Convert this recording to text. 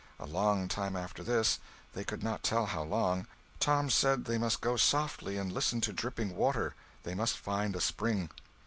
A long time after this—they could not tell how long—Tom said they must go softly and listen for dripping water—they must find a spring.